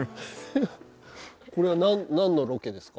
これはなんのロケですか？